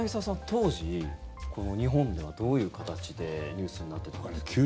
当時、日本ではどういう形でニュースになっていたんですか。